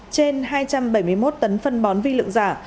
trên hai trăm bảy mươi một tấn phân bón vi lượng giả